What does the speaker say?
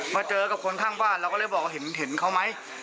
มาเจอกับคนข้างบ้านเราก็เลยบอกว่าเห็นเขาไหม